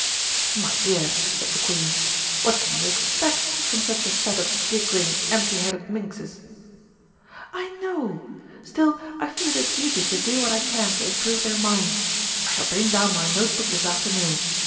"My dear," said the Queen, "what can you expect from such a set of giggling, empty headed minxes?" "I know. Still, I feel it a duty to do what I can to improve their minds. I shall bring down my note book this afternoon.